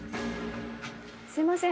すいません。